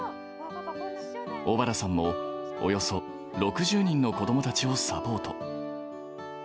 小原さんも、およそ６０人の子どもたちをサポート。